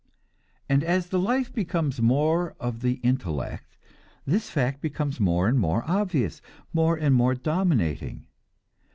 And as the life becomes more of the intellect, this fact becomes more and more obvious, more and more dominating.